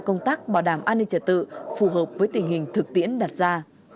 công tác bảo đảm an ninh trật tự phù hợp với tình hình thực tiễn đặt ra